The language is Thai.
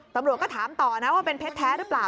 ตำรวจก็ถามต่อนะว่าเป็นเพชรแท้หรือเปล่า